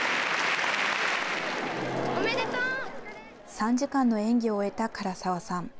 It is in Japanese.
３時間の演技を終えた柄沢さん。